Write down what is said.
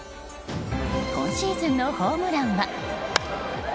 今シーズンのホームランは。